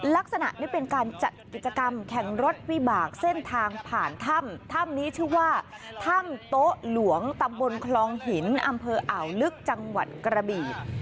ลักษณะนี้เป็นการจัดกิจกรรมแข่งรถวิบากเส้นทางผ่านถ้ำถ้ำนี้ชื่อว่าถ้ำโต๊ะหลวงตำบลคลองหินอำเภออ่าวลึกจังหวัดกระบี่